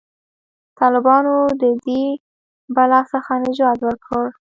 طالبانو د دې بلا څخه نجات ورکړ.